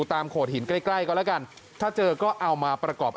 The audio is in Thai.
ตอนนี้สงสารคนเกาะครับ